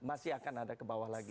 masih akan ada ke bawah lagi